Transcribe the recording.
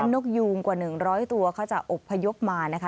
นกยูงกว่า๑๐๐ตัวเขาจะอบพยพมานะคะ